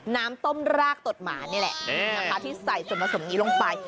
น้ำต้มรากตดหมานี่แหละนะคะที่ใส่ส่วนผสมนี้ลงไป